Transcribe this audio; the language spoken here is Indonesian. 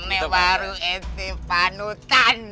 ini baru itu panutan